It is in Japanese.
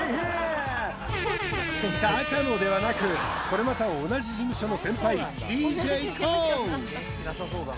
高野ではなくこれまた同じ事務所の先輩ＤＪＫＯＯ！